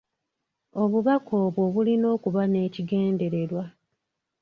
Obubaka obwo bulina okuba n'ekigendererwa.